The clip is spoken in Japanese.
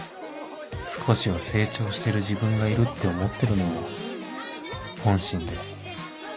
少しは成長してる自分がいるって思ってるのも本心で